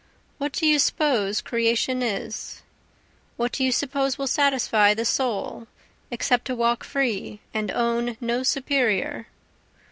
What do you suppose creation is? What do you suppose will satisfy the soul, except to walk free and own no superior?